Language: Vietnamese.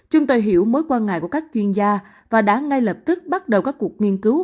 chúng tôi hiểu mối quan ngại của các chuyên gia và đã ngay lập tức bắt đầu các cuộc nghiên cứu